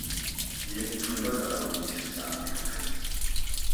მიეკუთვნება კატალონიის სანაპირო ქედს.